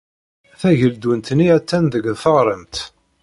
Tageldunt-nni attan deg teɣremt.